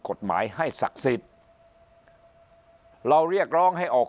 กฎหมายให้ศักดิ์สิทธิ์เราเรียกร้องให้ออก